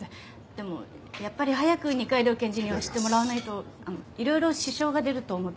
でもやっぱり早く二階堂検事には知ってもらわないといろいろ支障が出ると思って。